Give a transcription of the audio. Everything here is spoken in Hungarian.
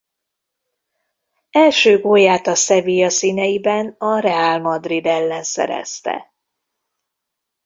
Első gólját a Sevilla színeiben a Real Madrid ellen szerezte.